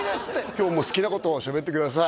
今日もう好きなことをしゃべってください